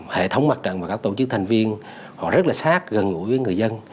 hệ thống mặt trận và các tổ chức thành viên họ rất là sát gần gũi với người dân